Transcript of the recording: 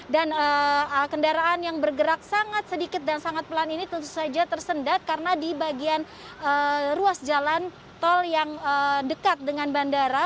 dan kendaraan yang bergerak sangat sedikit dan sangat pelan ini tentu saja tersendat karena di bagian ruas jalan tol yang dekat dengan bandara